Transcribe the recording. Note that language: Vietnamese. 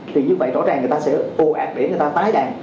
thì như vậy rõ ràng người ta sẽ ồ ạt để người ta tái đàn